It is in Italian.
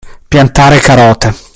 Piantare carote.